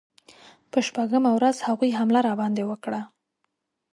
په شپږمه ورځ هغوی حمله راباندې وکړه.